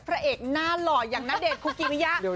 พระเอกหน้าหล่ออย่างณเดชนคุกิมิยะ